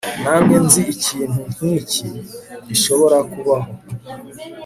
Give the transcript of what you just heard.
namye nzi ikintu nkiki gishobora kubaho